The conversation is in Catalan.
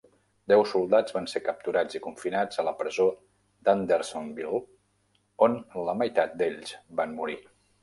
Deu soldats van ser capturats i confinats a la presó d'Andersonville, on la meitat d'ells van morir.